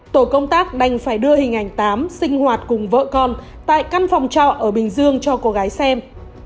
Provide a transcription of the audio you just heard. tổ công tác đành phải đưa hình ảnh tám sinh hoạt cùng vợ con tại căn phòng trọ ở bình dương cho cô gái xem